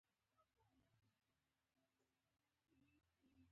تر هغه وخته دلته د واحد څښتن عبادت کېده.